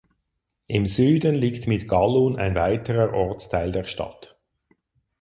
Im Süden liegt mit Gallun ein weiterer Ortsteil der Stadt.